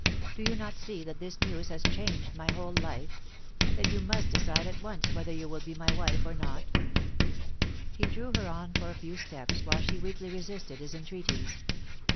Do you not see that this news has changed my whole life — that you must decide at once whether you will be my wife or not ?' He drew her on for a few steps, while she weakly resisted his entreaties.